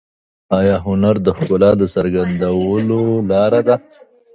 آیا هنر د ښکلا د څرګندولو لاره ده؟